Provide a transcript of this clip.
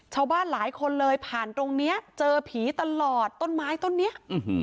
ชาวบ้านหลายคนเลยผ่านตรงนี้เจอผีตลอดต้นไม้ต้นนี้